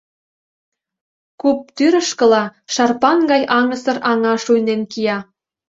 Куп тӱрышкыла шарпан гай аҥысыр аҥа шуйнен кия.